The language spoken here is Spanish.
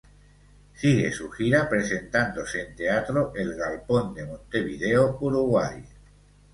Sigue su gira presentándose en Teatro El Galpón de Montevideo, Uruguay.